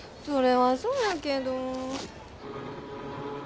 それはそうやけど。